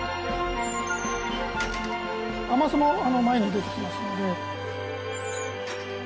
甘さも前に出てきますので。